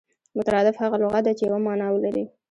مترادف هغه لغت دئ، چي یوه مانا ولري.